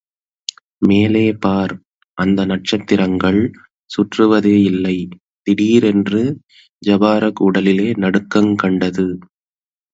மேலே பார், அந்த நட்சத்திரங்கள் சுற்றுவதேயில்லை! திடீரென்று ஜபாரக் உடலிலே நடுக்கங்கண்டது.